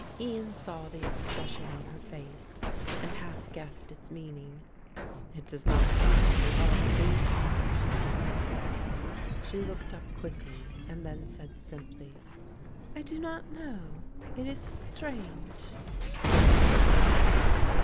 Ian saw the expression on her face and half guessed its meaning. "It does not please you, heartsease," he said. She looked up quickly and then said simply, "I do not know. It is strange."